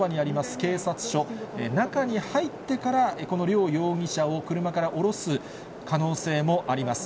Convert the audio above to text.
警察署、中に入ってからこの両容疑者を車から降ろす可能性もあります。